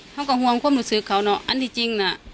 เขาก็ห่วงความรู้สึกเขาเนาะอันนี้จริงน่ะ